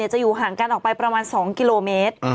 จะอยู่ห่างกันออกไปประมาณ๒กิโลเมตร